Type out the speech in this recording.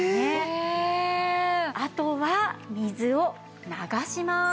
あとは水を流します。